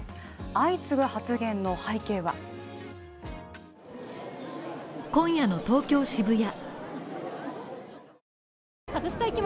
相次ぐ発言の背景は今夜の東京・渋谷。